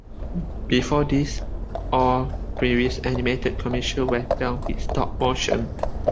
Before this, all previous animated commercials were done with stop-motion.